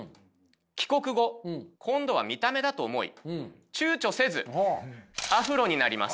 帰国後今度は見た目だと思い躊躇せずアフロになります。